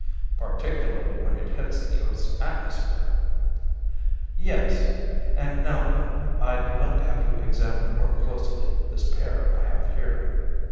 "Particularly when it hits the earth's atmosphere!" "Yes. And now then, I'd like to have you examine more closely this pair I have here."